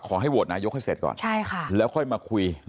ขอให้โหวตนายกเสดก่อนแล้วค่อยมาคุยใช่ค่ะ